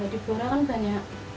yang di belora kan banyak